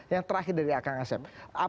yang terakhir dari kang asep